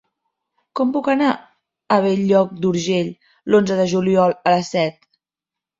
Com puc anar a Bell-lloc d'Urgell l'onze de juliol a les set?